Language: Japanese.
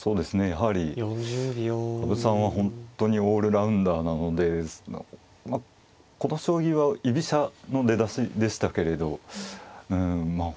やはり羽生さんは本当にオールラウンダーなのでこの将棋は居飛車の出だしでしたけれどまあ